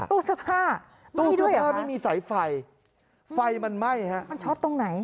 ตู้เสื้อผ้าไม่มีสายไฟไฟมันไหม้ฮะ